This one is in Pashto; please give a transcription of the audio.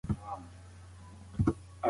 زه اوبه څښم.